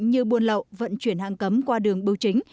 như buôn lậu vận chuyển hạng cấm qua đường bưu chính